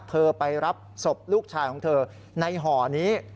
ไปรับศพลูกชายของเธอในห่อนี้